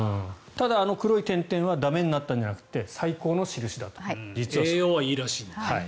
ただ、あの黒い点々は駄目になったんじゃなくて栄養はいいらしい。